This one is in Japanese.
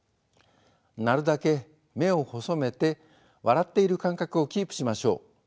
なるだけ目を細めて笑っている感覚をキープしましょう。